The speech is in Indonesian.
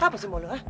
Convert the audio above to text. apa sih mau lu hah